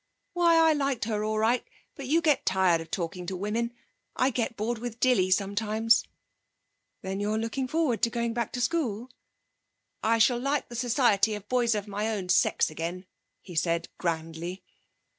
'Why, I like her all right, but you get tired of talking to women. I get bored with Dilly sometimes.' 'Then you're looking forward to going back to school?' 'I shall like the society of boys of my own sex again,' he said grandly.